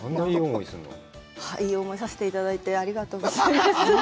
いい思いさせていただいてありがとうございます。